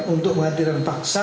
untuk menghadirkan paksa